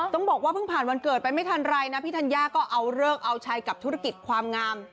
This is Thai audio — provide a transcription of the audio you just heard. ต้องบอกว่าเพิ่งผ่านวันเกิดไปไม่ทันไรนะพี่ธัญญาก็เอาเลิกเอาชัยกับธุรกิจความงาม